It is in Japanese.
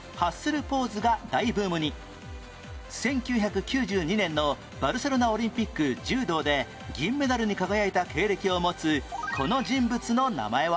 １９９２年のバルセロナオリンピック柔道で銀メダルに輝いた経歴を持つこの人物の名前は？